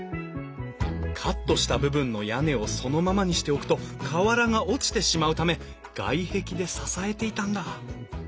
カットした部分の屋根をそのままにしておくと瓦が落ちてしまうため外壁で支えていたんだ。